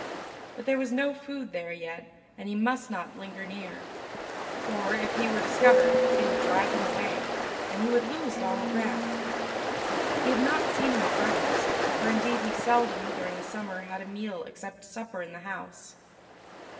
But there was no food there yet, and he must not linger near; for, if he were discovered, they would drive him away, and he would lose Donal Grant. He had not seen him at breakfast, for indeed he seldom, during the summer, had a meal except supper in the house.